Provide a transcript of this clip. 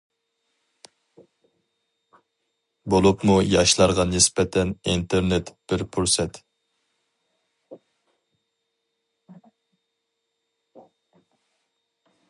بولۇپمۇ ياشلارغا نىسبەتەن ئىنتېرنېت بىر پۇرسەت.